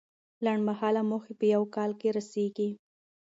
لنډمهاله موخې په یو کال کې رسیږي.